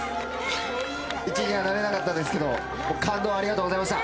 １位にはなれなかったけど感動をありがとうございました。